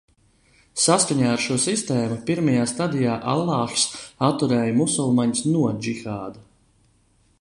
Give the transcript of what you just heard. Saskaņā ar šo sistēmu, pirmajā stadijā Allāhs atturēja musulmaņus no džihāda.